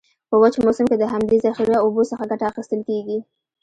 په وچ موسم کې د همدي ذخیره اوبو څخه کټه اخیستل کیږي.